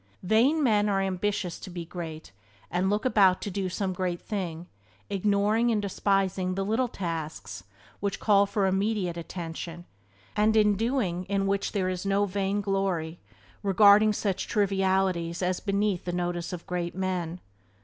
Vain men are ambitious to be great, and look about to do some great thing, ignoring and despising the little tasks which call for immediate attention, and in the doing of which there is no vainglory, regarding such "trivialities" as beneath the notice of great men.